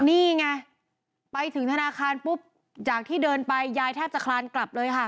นี่ไงไปถึงธนาคารปุ๊บจากที่เดินไปยายแทบจะคลานกลับเลยค่ะ